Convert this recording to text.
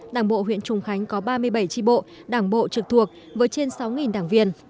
đảng bộ huyện trùng khánh có ba mươi bảy tri bộ đảng bộ trực thuộc với trên sáu đảng viên